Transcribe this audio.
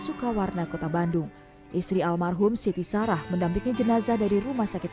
sukawarna kota bandung istri almarhum siti sarah mendampingi jenazah dari rumah sakit